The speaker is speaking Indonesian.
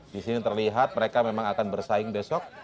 disini terlihat mereka memang akan bersaing besok